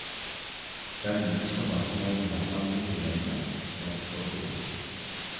- سەن نېمىشقا باشقا يەردە يارىلاندىم دېمەيسەن، دەپ سورىدى ئۇ.